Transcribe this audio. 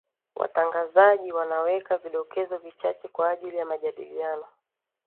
watangazaji wanaweka vidokezo vichache kwa ajili ya majadiliano